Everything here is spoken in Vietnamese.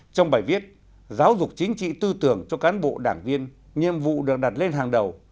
trong bài viết giáo dục chính trị tư tưởng cho cán bộ đảng viên nhiệm vụ được đặt lên hàng đầu